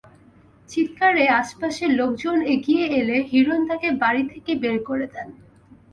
চিৎকারে আশপাশের লোকজন এগিয়ে এলে হিরণ তাঁকে বাড়ি থেকে বের করে দেন।